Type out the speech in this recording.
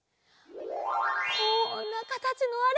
こんなかたちのあれ。